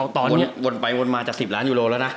ตอนนี้วนไปวนมาจาก๑๐ล้านยูโรแล้วนะ